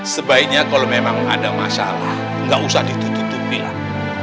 sebaiknya kalau memang ada masalah nggak usah ditutupi lah